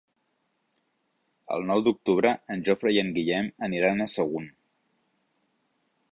El nou d'octubre en Jofre i en Guillem aniran a Sagunt.